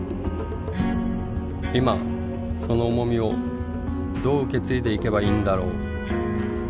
今その重みをどう受け継いでいけばいいんだろう